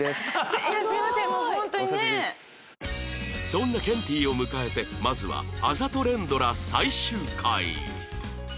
そんなケンティーを迎えてまずはあざと連ドラ最終回